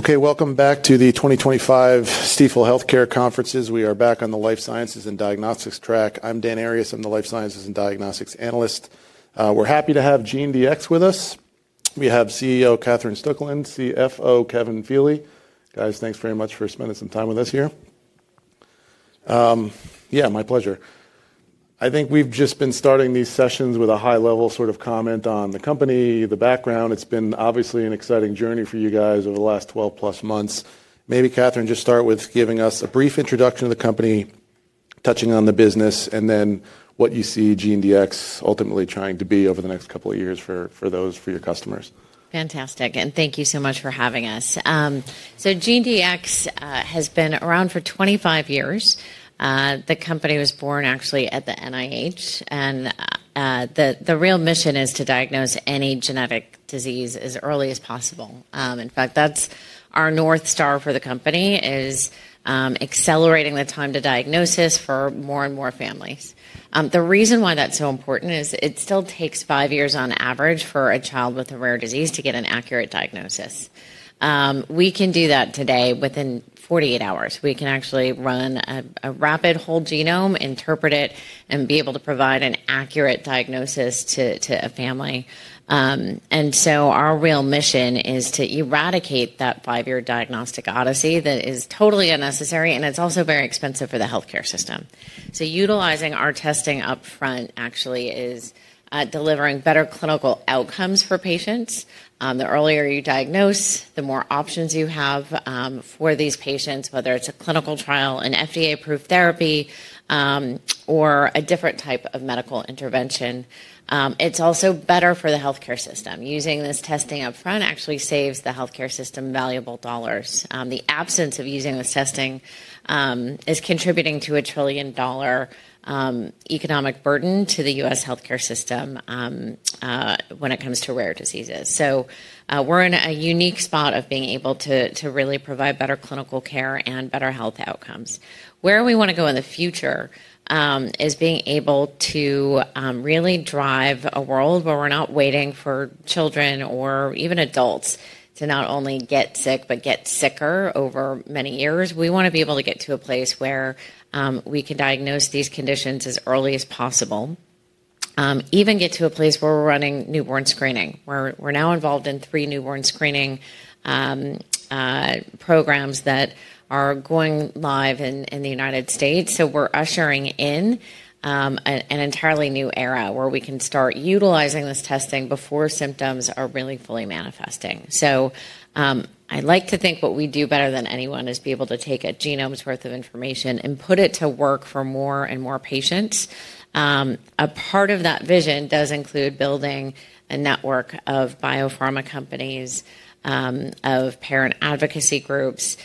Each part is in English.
Okay, welcome back to the 2025 Stifel Healthcare Conferences. We are back on the Life Sciences and Diagnostics track. I'm Dan Arias. I'm the Life Sciences and Diagnostics Analyst. We're happy to have GeneDx Kevin Feeley with us. We have CEO Katherine Stueland, CFO Kevin Feeley. Guys, thanks very much for spending some time with us here. Yeah, my pleasure. I think we've just been starting these sessions with a high-level sort of comment on the company, the background. It's been obviously an exciting journey for you guys over the last 12-plus months. Maybe Katherine, just start with giving us a brief introduction to the company, touching on the business, and then what you see GeneDx Kevin Feeley ultimately trying to be over the next couple of years for those, for your customers. Fantastic. Thank you so much for having us. GeneDx Kevin Feeley has been around for 25 years. The company was born actually at the NIH, and the real mission is to diagnose any genetic disease as early as possible. In fact, that's our North Star for the company, is accelerating the time to diagnosis for more and more families. The reason why that's so important is it still takes five years on average for a child with a rare disease to get an accurate diagnosis. We can do that today within 48 hours. We can actually run a rapid whole genome, interpret it, and be able to provide an accurate diagnosis to a family. Our real mission is to eradicate that five-year diagnostic odyssey that is totally unnecessary, and it's also very expensive for the healthcare system. Utilizing our testing upfront actually is delivering better clinical outcomes for patients. The earlier you diagnose, the more options you have for these patients, whether it's a clinical trial, an FDA-approved therapy, or a different type of medical intervention. It's also better for the healthcare system. Using this testing upfront actually saves the healthcare system valuable dollars. The absence of using this testing is contributing to a trillion-dollar economic burden to the U.S. healthcare system when it comes to rare diseases. We're in a unique spot of being able to really provide better clinical care and better health outcomes. Where we want to go in the future is being able to really drive a world where we're not waiting for children or even adults to not only get sick, but get sicker over many years. We want to be able to get to a place where we can diagnose these conditions as early as possible, even get to a place where we're running newborn screening. We're now involved in three newborn screening programs that are going live in the United States. We are ushering in an entirely new era where we can start utilizing this testing before symptoms are really fully manifesting. I like to think what we do better than anyone is be able to take a genome's worth of information and put it to work for more and more patients. A part of that vision does include building a network of biopharma companies, of parent advocacy groups,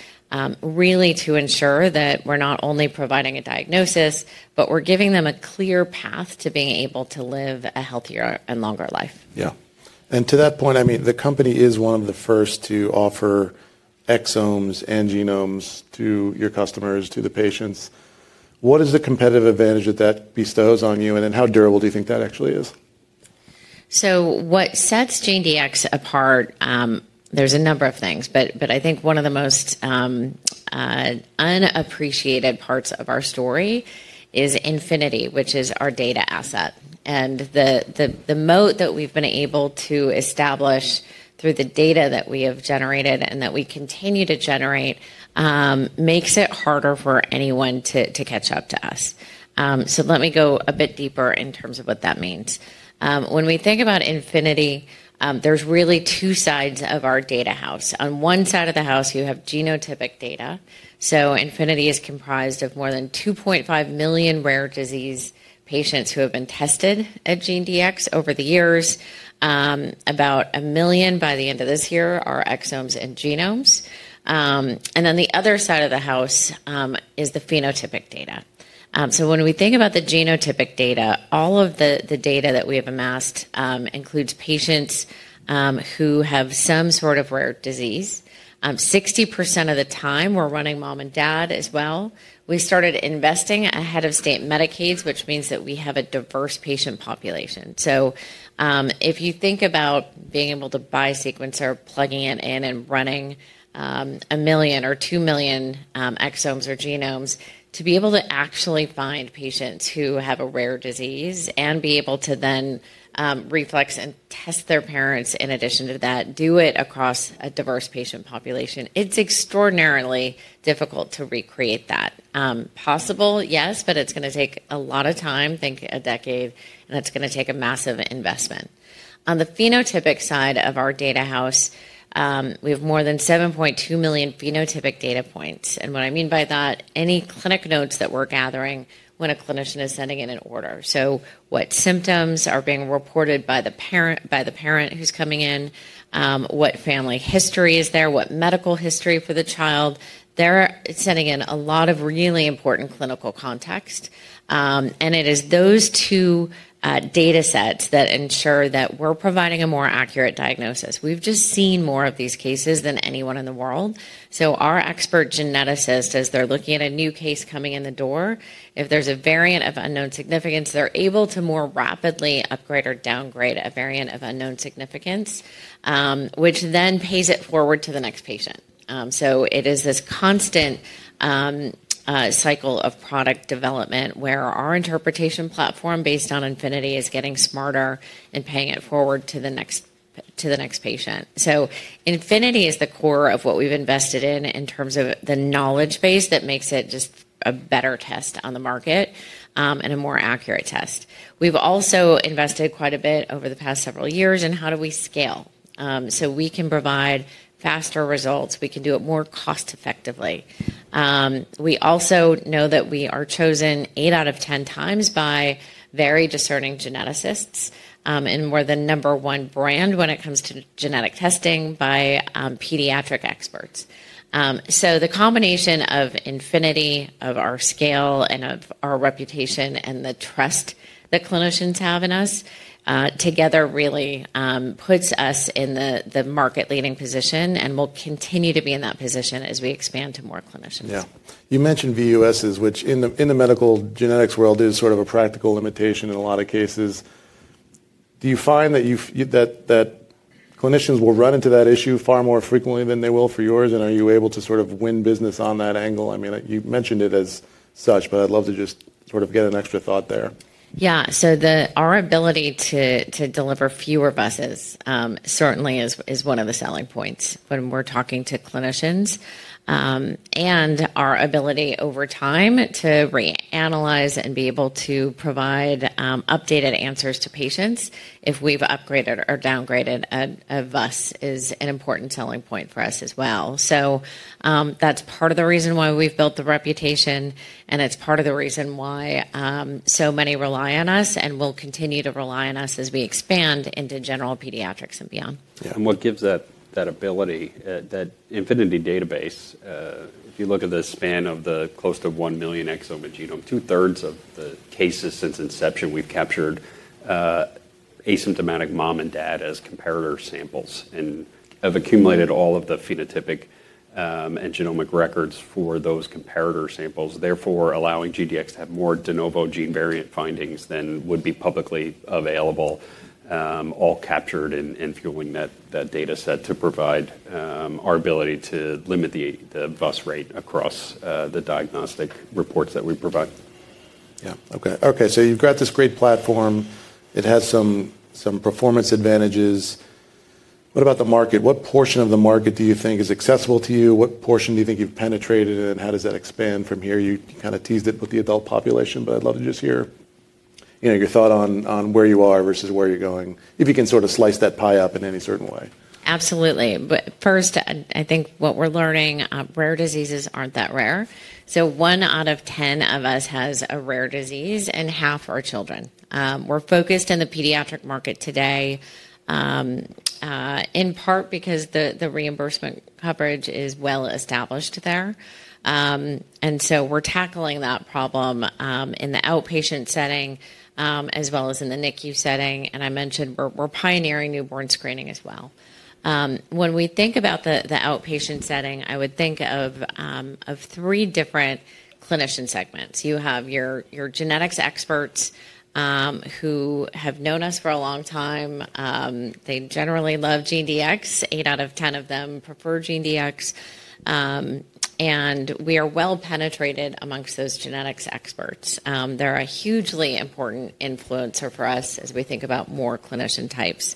really to ensure that we're not only providing a diagnosis, but we're giving them a clear path to being able to live a healthier and longer life. Yeah. And to that point, I mean, the company is one of the first to offer exomes and genomes to your customers, to the patients. What is the competitive advantage that that bestows on you, and then how durable do you think that actually is? What sets GeneDx, Kevin Feeley, apart, there is a number of things, but I think one of the most unappreciated parts of our story is Infinity, which is our data asset. The moat that we have been able to establish through the data that we have generated and that we continue to generate makes it harder for anyone to catch up to us. Let me go a bit deeper in terms of what that means. When we think about Infinity, there are really two sides of our data house. On one side of the house, you have genotypic data. Infinity is comprised of more than 2.5 million rare disease patients who have been tested at GeneDx, Kevin Feeley, over the years. About a million by the end of this year are exomes and genomes. The other side of the house is the phenotypic data. When we think about the genotypic data, all of the data that we have amassed includes patients who have some sort of rare disease. 60% of the time we're running mom and dad as well. We started investing ahead of state Medicaids, which means that we have a diverse patient population. If you think about being able to biosequence or plugging it in and running a million or two million exomes or genomes to be able to actually find patients who have a rare disease and be able to then reflex and test their parents in addition to that, do it across a diverse patient population, it's extraordinarily difficult to recreate that. Possible, yes, but it's going to take a lot of time, think a decade, and it's going to take a massive investment. On the phenotypic side of our data house, we have more than 7.2 million phenotypic data points. What I mean by that, any clinic notes that we're gathering when a clinician is sending in an order. What symptoms are being reported by the parent who's coming in, what family history is there, what medical history for the child, they're sending in a lot of really important clinical context. It is those two data sets that ensure that we're providing a more accurate diagnosis. We've just seen more of these cases than anyone in the world. Our expert geneticist, as they're looking at a new case coming in the door, if there's a variant of unknown significance, they're able to more rapidly upgrade or downgrade a variant of unknown significance, which then pays it forward to the next patient. It is this constant cycle of product development where our interpretation platform based on Infinity is getting smarter and paying it forward to the next patient. Infinity is the core of what we've invested in in terms of the knowledge base that makes it just a better test on the market and a more accurate test. We've also invested quite a bit over the past several years in how do we scale so we can provide faster results, we can do it more cost-effectively. We also know that we are chosen eight out of ten times by very discerning geneticists, and we're the number one brand when it comes to genetic testing by pediatric experts. The combination of Infinity, of our scale, and of our reputation and the trust that clinicians have in us together really puts us in the market-leading position and will continue to be in that position as we expand to more clinicians. Yeah. You mentioned VUSs, which in the medical genetics world is sort of a practical limitation in a lot of cases. Do you find that clinicians will run into that issue far more frequently than they will for yours? Are you able to sort of win business on that angle? I mean, you mentioned it as such, but I'd love to just sort of get an extra thought there. Yeah. Our ability to deliver fewer VUSs certainly is one of the selling points when we're talking to clinicians. Our ability over time to reanalyze and be able to provide updated answers to patients if we've upgraded or downgraded a VUS is an important selling point for us as well. That's part of the reason why we've built the reputation, and it's part of the reason why so many rely on us and will continue to rely on us as we expand into general pediatrics and beyond. Yeah. And what gives that ability, that Infinity database, if you look at the span of the close to one million exome and genome, two-thirds of the cases since inception, we've captured asymptomatic mom and dad as comparator samples and have accumulated all of the phenotypic and genomic records for those comparator samples, therefore allowing GeneDx, Kevin Feeley, to have more de novo gene variant findings than would be publicly available, all captured and fueling that data set to provide our ability to limit the VUS rate across the diagnostic reports that we provide. Yeah. Okay. Okay. So you've got this great platform. It has some performance advantages. What about the market? What portion of the market do you think is accessible to you? What portion do you think you've penetrated? And how does that expand from here? You kind of teased it with the adult population, but I'd love to just hear your thought on where you are versus where you're going, if you can sort of slice that pie up in any certain way. Absolutely. First, I think what we're learning is rare diseases aren't that rare. One out of ten of us has a rare disease, and half are children. We're focused in the pediatric market today in part because the reimbursement coverage is well established there. We're tackling that problem in the outpatient setting as well as in the NICU setting. I mentioned we're pioneering newborn screening as well. When we think about the outpatient setting, I would think of three different clinician segments. You have your genetics experts who have known us for a long time. They generally love GeneDx. Eight out of 10 of them prefer GeneDx. We are well penetrated amongst those genetics experts. They're a hugely important influencer for us as we think about more clinician types.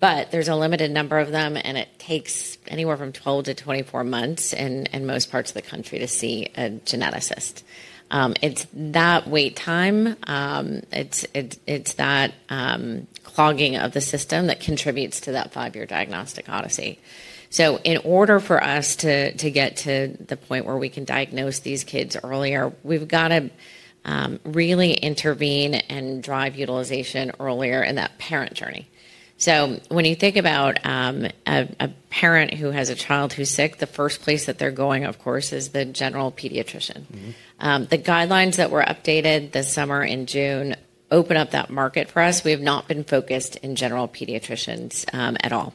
There is a limited number of them, and it takes anywhere from 12 to 24 months in most parts of the country to see a geneticist. It is that wait time. It is that clogging of the system that contributes to that five-year diagnostic odyssey. In order for us to get to the point where we can diagnose these kids earlier, we have to really intervene and drive utilization earlier in that parent journey. When you think about a parent who has a child who is sick, the first place that they are going, of course, is the general pediatrician. The guidelines that were updated this summer in June open up that market for us. We have not been focused in general pediatricians at all.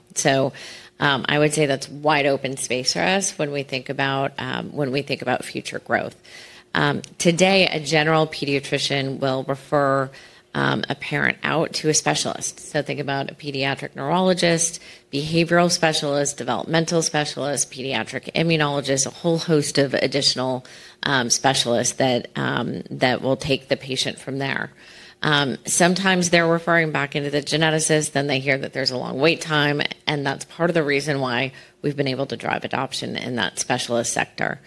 I would say that is wide open space for us when we think about future growth. Today, a general pediatrician will refer a parent out to a specialist. Think about a pediatric neurologist, behavioral specialist, developmental specialist, pediatric immunologist, a whole host of additional specialists that will take the patient from there. Sometimes they're referring back into the geneticist, then they hear that there's a long wait time, and that's part of the reason why we've been able to drive adoption in that specialist sector.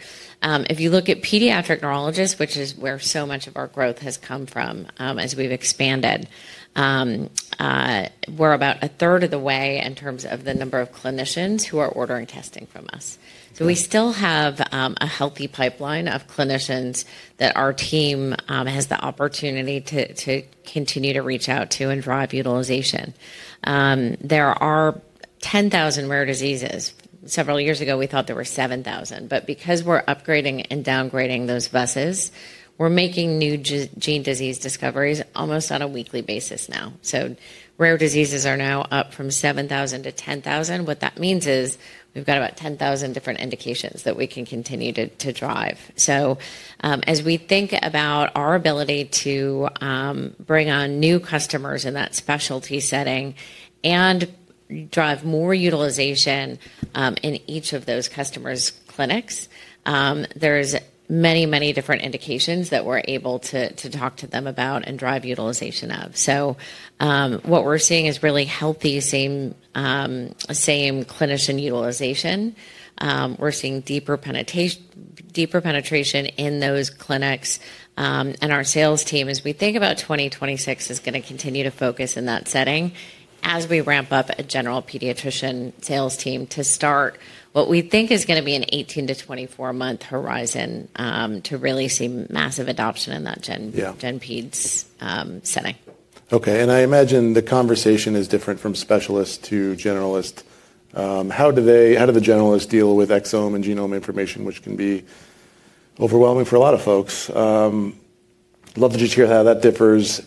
If you look at pediatric neurologists, which is where so much of our growth has come from as we've expanded, we're about a third of the way in terms of the number of clinicians who are ordering testing from us. We still have a healthy pipeline of clinicians that our team has the opportunity to continue to reach out to and drive utilization. There are 10,000 rare diseases. Several years ago, we thought there were 7,000. Because we're upgrading and downgrading those buses, we're making new gene disease discoveries almost on a weekly basis now. Rare diseases are now up from 7,000 to 10,000. What that means is we've got about 10,000 different indications that we can continue to drive. As we think about our ability to bring on new customers in that specialty setting and drive more utilization in each of those customers' clinics, there are many, many different indications that we're able to talk to them about and drive utilization of. What we're seeing is really healthy same clinician utilization. We're seeing deeper penetration in those clinics. Our sales team, as we think about 2026, is going to continue to focus in that setting as we ramp up a general pediatrician sales team to start what we think is going to be an 18-24 month horizon to really see massive adoption in that GenPEDS setting. Okay. I imagine the conversation is different from specialist to generalist. How do the generalists deal with exome and genome information, which can be overwhelming for a lot of folks? Love to just hear how that differs.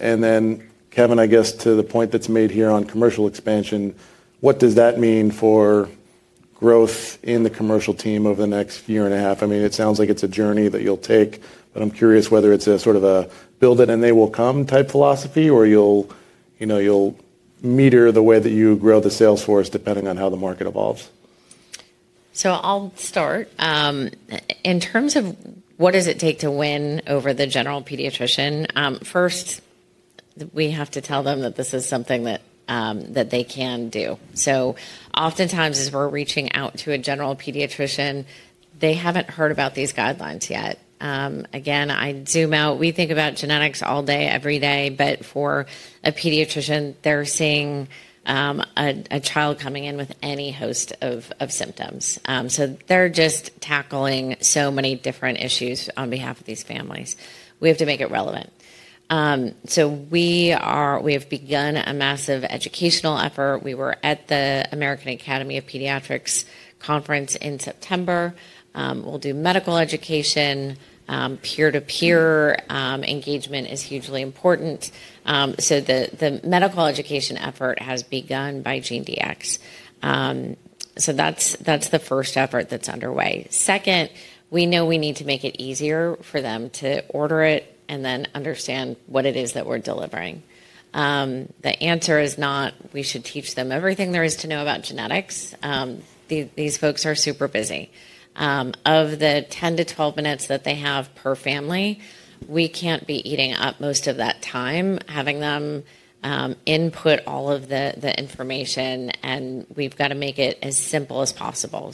Kevin, I guess to the point that's made here on commercial expansion, what does that mean for growth in the commercial team over the next year and a half? I mean, it sounds like it's a journey that you'll take, but I'm curious whether it's a sort of a build it and they will come type philosophy or you'll meter the way that you grow the sales force depending on how the market evolves. I'll start. In terms of what does it take to win over the general pediatrician, first, we have to tell them that this is something that they can do. Oftentimes as we're reaching out to a general pediatrician, they haven't heard about these guidelines yet. Again, I zoom out. We think about genetics all day, every day, but for a pediatrician, they're seeing a child coming in with any host of symptoms. They're just tackling so many different issues on behalf of these families. We have to make it relevant. We have begun a massive educational effort. We were at the American Academy of Pediatrics conference in September. We'll do medical education. Peer-to-peer engagement is hugely important. The medical education effort has begun by GeneDx Kevin Feeley. That's the first effort that's underway. Second, we know we need to make it easier for them to order it and then understand what it is that we're delivering. The answer is not we should teach them everything there is to know about genetics. These folks are super busy. Of the 10-12 minutes that they have per family, we can't be eating up most of that time having them input all of the information, and we've got to make it as simple as possible.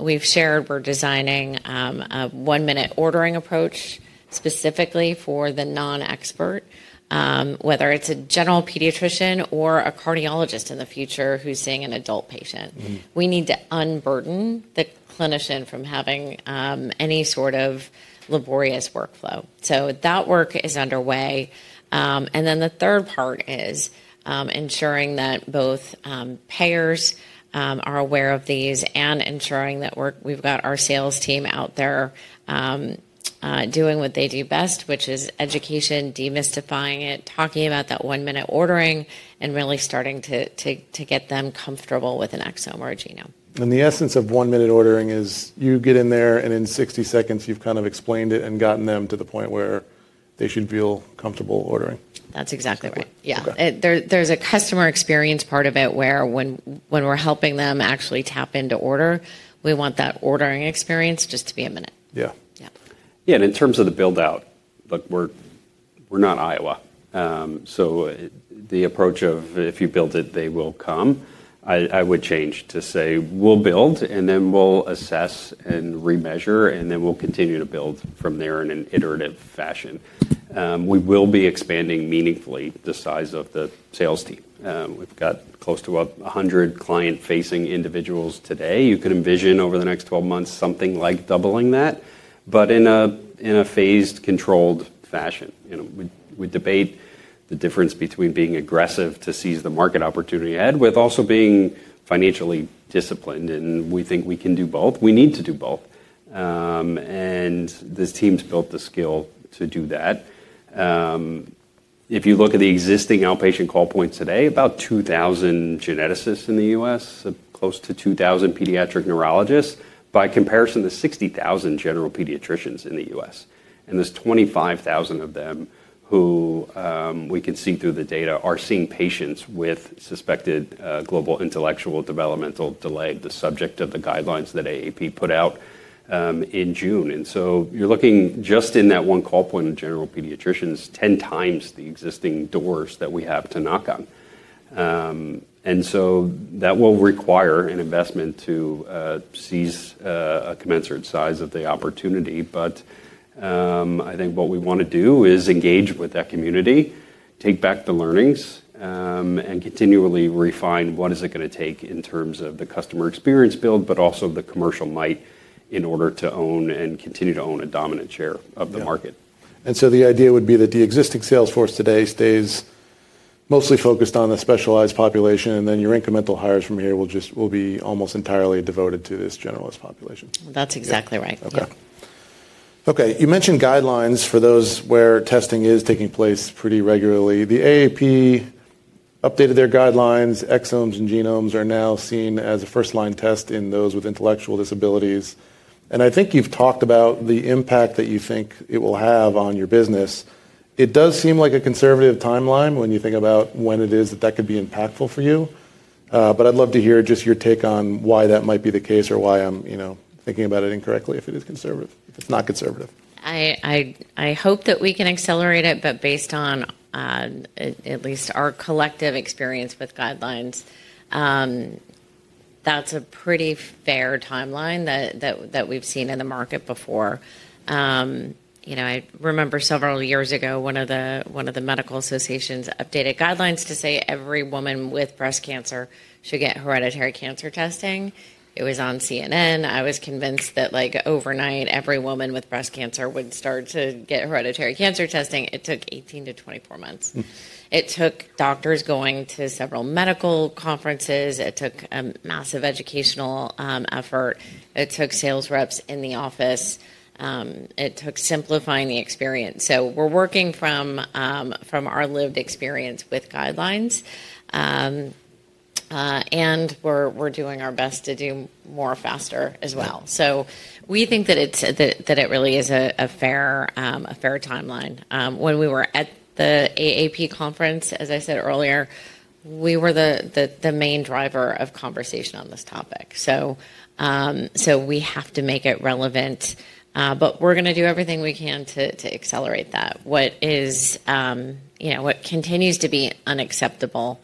We've shared we're designing a one-minute ordering approach specifically for the non-expert, whether it's a general pediatrician or a cardiologist in the future who's seeing an adult patient. We need to unburden the clinician from having any sort of laborious workflow. That work is underway. The third part is ensuring that both payers are aware of these and ensuring that we've got our sales team out there doing what they do best, which is education, demystifying it, talking about that one-minute ordering, and really starting to get them comfortable with an exome or a genome. The essence of one-minute ordering is you get in there and in 60 seconds you've kind of explained it and gotten them to the point where they should feel comfortable ordering. That's exactly right. Yeah. There's a customer experience part of it where when we're helping them actually tap into order, we want that ordering experience just to be a minute. Yeah. Yeah. In terms of the build-out, we're not Iowa. The approach of if you build it, they will come, I would change to say we'll build and then we'll assess and remeasure and then we'll continue to build from there in an iterative fashion. We will be expanding meaningfully the size of the sales team. We've got close to 100 client-facing individuals today. You can envision over the next 12 months something like doubling that, but in a phased controlled fashion. We debate the difference between being aggressive to seize the market opportunity ahead with also being financially disciplined, and we think we can do both. We need to do both. This team's built the skill to do that. If you look at the existing outpatient call points today, about 2,000 geneticists in the U.S., close to 2,000 pediatric neurologists, by comparison to 60,000 general pediatricians in the U.S. There are 25,000 of them who we can see through the data are seeing patients with suspected global intellectual developmental delay, the subject of the guidelines that AAP put out in June. You are looking just in that one call point in general pediatricians, 10 times the existing doors that we have to knock on. That will require an investment to seize a commensurate size of the opportunity. I think what we want to do is engage with that community, take back the learnings, and continually refine what is it going to take in terms of the customer experience build, but also the commercial might in order to own and continue to own a dominant share of the market. The idea would be that the existing sales force today stays mostly focused on the specialized population, and then your incremental hires from here will be almost entirely devoted to this generalist population. That's exactly right. Okay. Okay. You mentioned guidelines for those where testing is taking place pretty regularly. The AAP updated their guidelines. Exomes and genomes are now seen as a first-line test in those with intellectual disabilities. I think you've talked about the impact that you think it will have on your business. It does seem like a conservative timeline when you think about when it is that that could be impactful for you. I'd love to hear just your take on why that might be the case or why I'm thinking about it incorrectly if it is conservative, if it's not conservative. I hope that we can accelerate it, but based on at least our collective experience with guidelines, that's a pretty fair timeline that we've seen in the market before. I remember several years ago, one of the medical associations updated guidelines to say every woman with breast cancer should get hereditary cancer testing. It was on CNN. I was convinced that overnight every woman with breast cancer would start to get hereditary cancer testing. It took 18-24 months. It took doctors going to several medical conferences. It took a massive educational effort. It took sales reps in the office. It took simplifying the experience. We are working from our lived experience with guidelines, and we are doing our best to do more faster as well. We think that it really is a fair timeline. When we were at the AAP conference, as I said earlier, we were the main driver of conversation on this topic. We have to make it relevant, but we're going to do everything we can to accelerate that. What continues to be unacceptable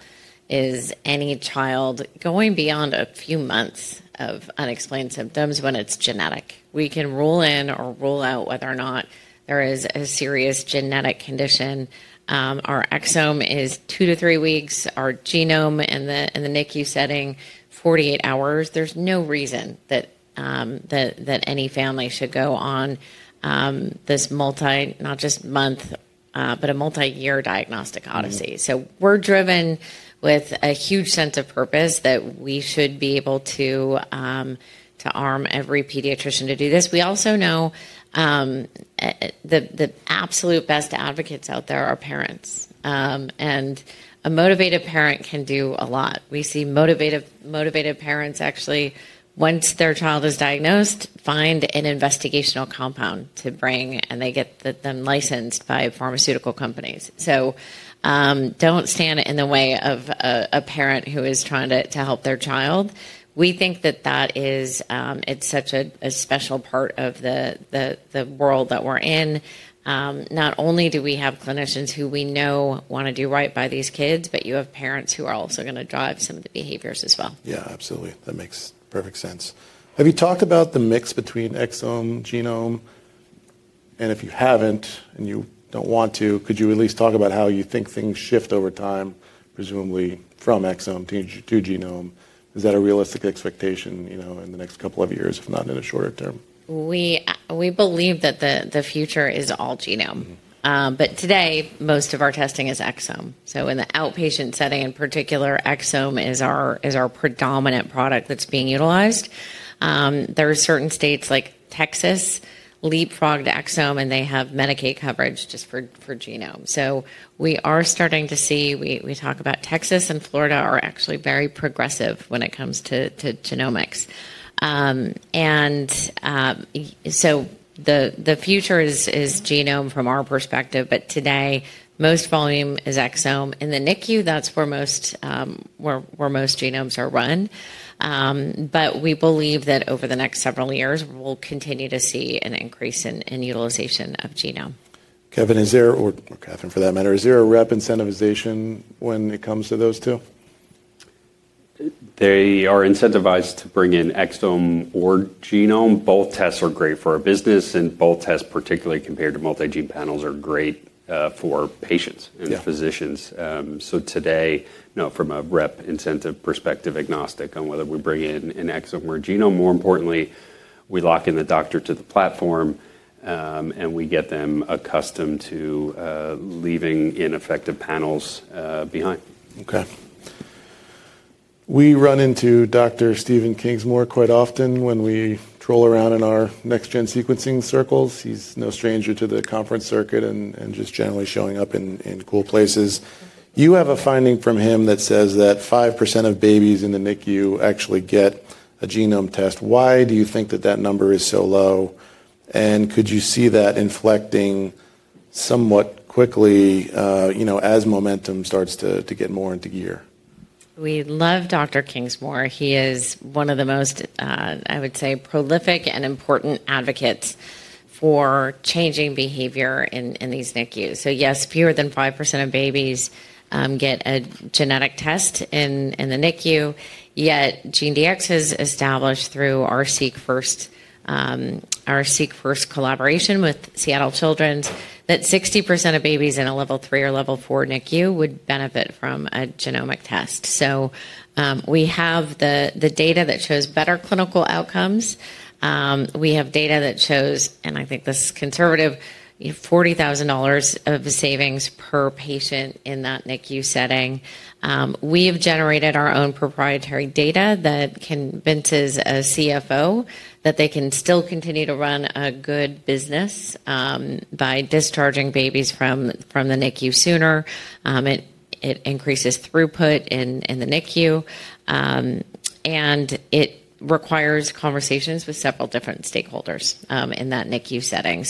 is any child going beyond a few months of unexplained symptoms when it's genetic. We can rule in or rule out whether or not there is a serious genetic condition. Our exome is two to three weeks. Our genome in the NICU setting, 48 hours. There's no reason that any family should go on this multi, not just month, but a multi-year diagnostic odyssey. We're driven with a huge sense of purpose that we should be able to arm every pediatrician to do this. We also know the absolute best advocates out there are parents. A motivated parent can do a lot. We see motivated parents actually, once their child is diagnosed, find an investigational compound to bring, and they get them licensed by pharmaceutical companies. Do not stand in the way of a parent who is trying to help their child. We think that that is such a special part of the world that we're in. Not only do we have clinicians who we know want to do right by these kids, but you have parents who are also going to drive some of the behaviors as well. Yeah, absolutely. That makes perfect sense. Have you talked about the mix between exome, genome? And if you haven't and you don't want to, could you at least talk about how you think things shift over time, presumably from exome to genome? Is that a realistic expectation in the next couple of years, if not in the shorter term? We believe that the future is all genome. Today, most of our testing is exome. In the outpatient setting in particular, exome is our predominant product that's being utilized. There are certain states like Texas that leapfrogged exome, and they have Medicaid coverage just for genome. We are starting to see, we talk about Texas and Florida, are actually very progressive when it comes to genomics. The future is genome from our perspective, but today, most volume is exome. In the NICU, that's where most genomes are run. We believe that over the next several years, we'll continue to see an increase in utilization of genome. Kevin, is there or Katherine, for that matter, is there a rep incentivization when it comes to those two? They are incentivized to bring in exome or genome. Both tests are great for our business, and both tests, particularly compared to multi-gene panels, are great for patients and physicians. Today, from a rep incentive perspective, agnostic on whether we bring in an exome or genome, more importantly, we lock in the doctor to the platform, and we get them accustomed to leaving ineffective panels behind. Okay. We run into Dr. Steven Kingsmore quite often when we troll around in our next-gen sequencing circles. He's no stranger to the conference circuit and just generally showing up in cool places. You have a finding from him that says that 5% of babies in the NICU actually get a genome test. Why do you think that that number is so low? Could you see that inflecting somewhat quickly as momentum starts to get more into gear? We love Dr. Kingsmore. He is one of the most, I would say, prolific and important advocates for changing behavior in these NICUs. Yes, fewer than 5% of babies get a genetic test in the NICU, yet GeneDx has established through our Seek First collaboration with Seattle Children's that 60% of babies in a level three or level four NICU would benefit from a genomic test. We have the data that shows better clinical outcomes. We have data that shows, and I think this is conservative, $40,000 of savings per patient in that NICU setting. We have generated our own proprietary data that convinces a CFO that they can still continue to run a good business by discharging babies from the NICU sooner. It increases throughput in the NICU, and it requires conversations with several different stakeholders in that NICU setting.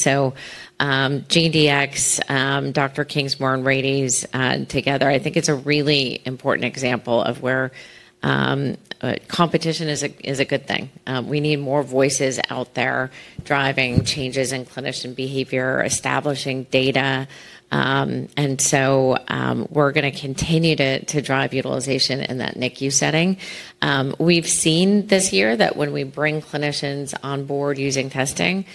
GeneDx, Dr. Kingsmore, and Rady together, I think it's a really important example of where competition is a good thing. We need more voices out there driving changes in clinician behavior, establishing data. We're going to continue to drive utilization in that NICU setting. We've seen this year that when we bring clinicians on board using testing,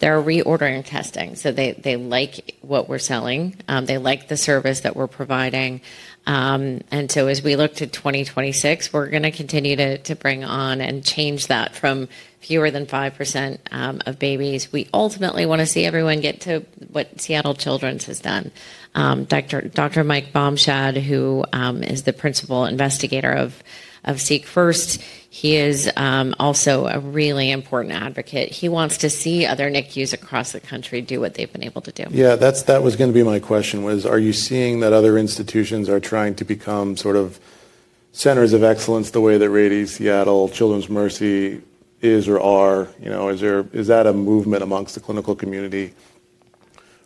they're reordering testing. They like what we're selling. They like the service that we're providing. As we look to 2026, we're going to continue to bring on and change that from fewer than 5% of babies. We ultimately want to see everyone get to what Seattle Children's has done. Dr. Mike Baumschad, who is the principal investigator of Seek First, he is also a really important advocate. He wants to see other NICUs across the country do what they've been able to do. Yeah, that was going to be my question. Are you seeing that other institutions are trying to become sort of centers of excellence the way that Rady, Seattle Children's, Mercy is or are? Is that a movement amongst the clinical community?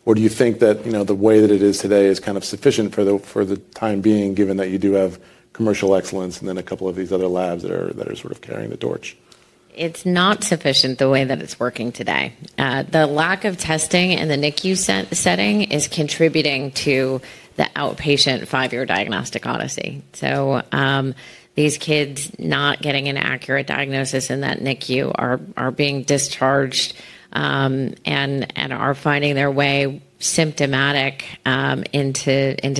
Or do you think that the way that it is today is kind of sufficient for the time being, given that you do have commercial excellence and then a couple of these other labs that are sort of carrying the torch? It's not sufficient the way that it's working today. The lack of testing in the NICU setting is contributing to the outpatient five-year diagnostic odyssey. These kids not getting an accurate diagnosis in that NICU are being discharged and are finding their way symptomatic into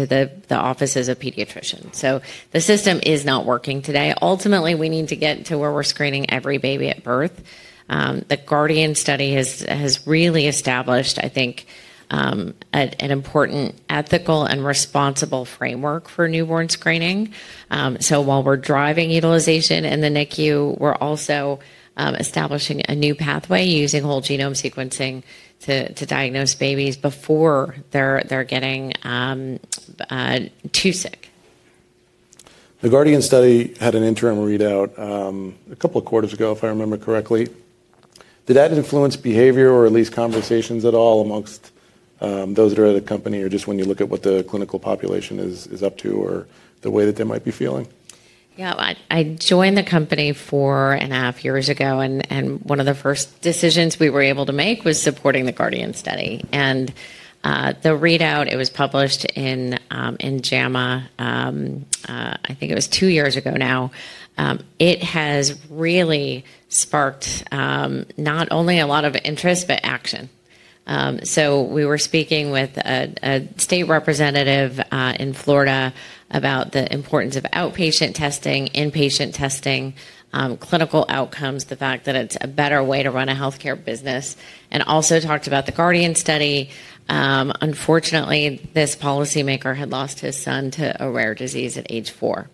the offices of pediatricians. The system is not working today. Ultimately, we need to get to where we're screening every baby at birth. The Guardian study has really established, I think, an important ethical and responsible framework for newborn screening. While we're driving utilization in the NICU, we're also establishing a new pathway using whole genome sequencing to diagnose babies before they're getting too sick. The Guardian study had an interim readout a couple of quarters ago, if I remember correctly. Did that influence behavior or at least conversations at all amongst those that are at a company or just when you look at what the clinical population is up to or the way that they might be feeling? Yeah, I joined the company four and a half years ago, and one of the first decisions we were able to make was supporting the Guardian study. The readout, it was published in JAMA, I think it was two years ago now. It has really sparked not only a lot of interest, but action. We were speaking with a state representative in Florida about the importance of outpatient testing, inpatient testing, clinical outcomes, the fact that it's a better way to run a healthcare business, and also talked about the Guardian study. Unfortunately, this policymaker had lost his son to a rare disease at age four.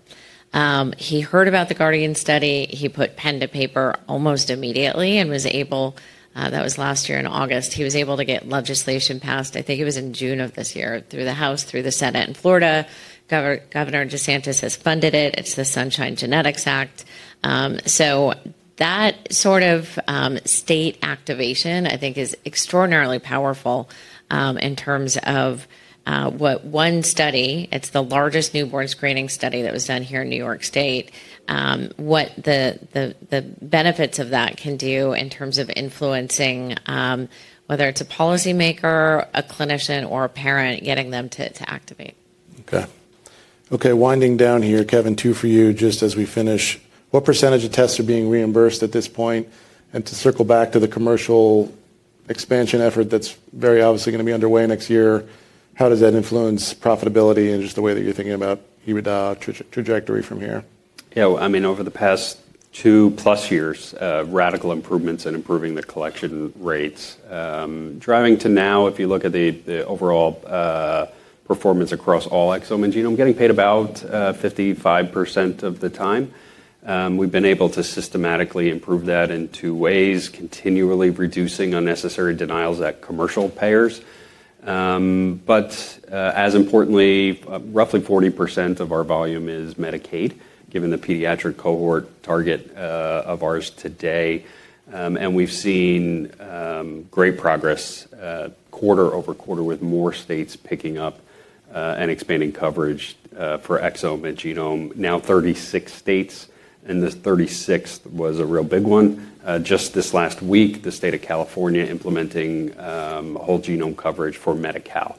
He heard about the Guardian study. He put pen to paper almost immediately and was able, that was last year in August, he was able to get legislation passed. I think it was in June of this year through the House, through the Senate in Florida. Governor DeSantis has funded it. It's the Sunshine Genetics Act. That sort of state activation, I think, is extraordinarily powerful in terms of what one study—it's the largest newborn screening study that was done here in New York State—what the benefits of that can do in terms of influencing whether it's a policymaker, a clinician, or a parent getting them to activate. Okay, winding down here, Kevin, two for you just as we finish. What percentage of tests are being reimbursed at this point? And to circle back to the commercial expansion effort that's very obviously going to be underway next year, how does that influence profitability and just the way that you're thinking about EBITDA trajectory from here? Yeah, I mean, over the past two-plus years, radical improvements in improving the collection rates. Driving to now, if you look at the overall performance across all exome and genome, getting paid about 55% of the time. We've been able to systematically improve that in two ways, continually reducing unnecessary denials at commercial payers. As importantly, roughly 40% of our volume is Medicaid, given the pediatric cohort target of ours today. We've seen great progress quarter over quarter with more states picking up and expanding coverage for exome and genome. Now, 36 states, and the 36th was a real big one. Just this last week, the state of California implementing whole genome coverage for Medi-Cal.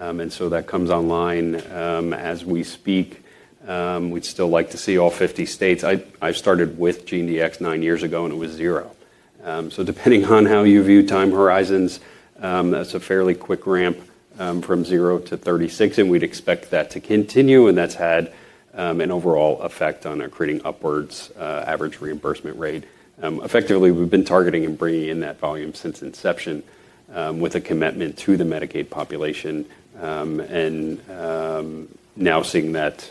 That comes online as we speak. We'd still like to see all 50 states. I started with GeneDx nine years ago, and it was zero. Depending on how you view time horizons, that's a fairly quick ramp from zero to 36, and we'd expect that to continue. That's had an overall effect on creating upwards average reimbursement rate. Effectively, we've been targeting and bringing in that volume since inception with a commitment to the Medicaid population and now seeing that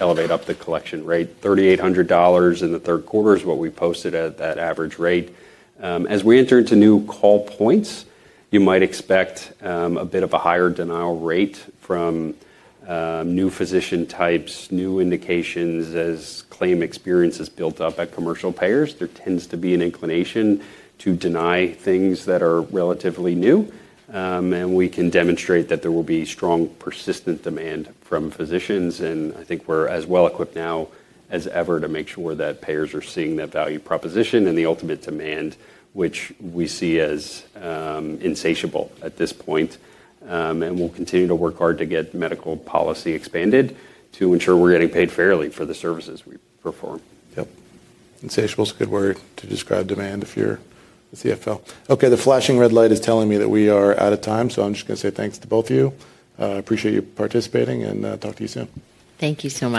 elevate up the collection rate. $3,800 in the third quarter is what we posted at that average rate. As we enter into new call points, you might expect a bit of a higher denial rate from new physician types, new indications as claim experience is built up at commercial payers. There tends to be an inclination to deny things that are relatively new. We can demonstrate that there will be strong persistent demand from physicians. I think we're as well equipped now as ever to make sure that payers are seeing that value proposition and the ultimate demand, which we see as insatiable at this point. We'll continue to work hard to get medical policy expanded to ensure we're getting paid fairly for the services we perform. Yep. Insatiable is a good word to describe demand if you're a CFO. Okay, the flashing red light is telling me that we are out of time. So I'm just going to say thanks to both of you. I appreciate you participating and talk to you soon. Thank you so much.